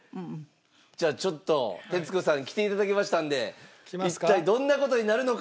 じゃあちょっと徹子さん来て頂きましたんで一体どんな事になるのか。